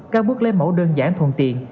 các bước lấy mẫu đơn giản thuận tiện